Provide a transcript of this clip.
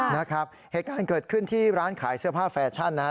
นะครับเหตุการณ์เกิดขึ้นที่ร้านขายเสื้อผ้าแฟชั่นนะฮะ